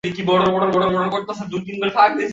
এর পরের ঘটনা আমার আর কিছুই জানা নেই।